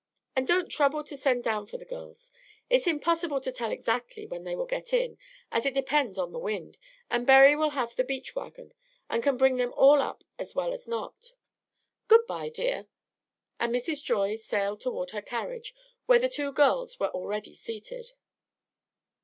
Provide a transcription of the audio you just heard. And don't trouble to send down for the girls. It's impossible to tell exactly when they will get in, as it depends on the wind, and Berry will have the beach wagon, and can bring them all up as well as not. Good by, dear." And Mrs. Joy sailed toward her carriage, where the two girls were already seated.